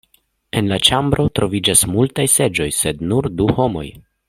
En la ĉambro troviĝas multaj seĝoj sed nur du homoj.